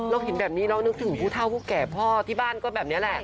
เราเห็นแบบนี้เรานึกถึงผู้เท่าผู้แก่พ่อที่บ้านก็แบบนี้แหละ